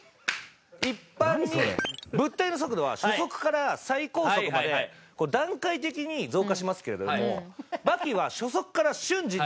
一般に物体の速度は初速から最高速まで段階的に増加しますけれども刃牙は初速から瞬時に。